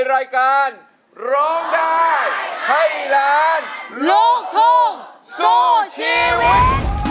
รายการร้องได้ให้ล้านลูกทุ่งสู้ชีวิต